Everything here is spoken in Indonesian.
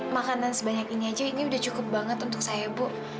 makanan sebanyak ini aja ini udah cukup banget untuk saya bu